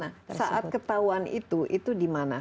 nah saat ketahuan itu itu di mana